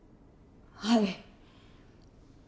はい。